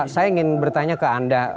saya ingin bertanya ke anda